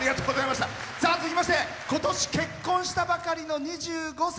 続きまして今年、結婚したばかりの２５歳。